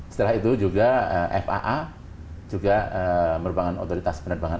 setelah itu juga faa juga merupakan otoritas penerbangan